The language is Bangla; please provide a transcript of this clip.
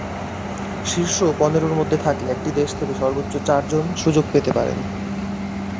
শীর্ষ পনেরোর মধ্যে থাকলে একটি দেশ থেকে সর্বোচ্চ চারজন সুযোগ পেতে পারেন।